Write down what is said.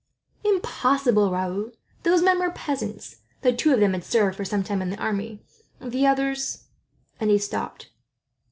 "Impossible, Raoul! Those men were peasants, though two of them had served for a time in the army; the others " and he stopped.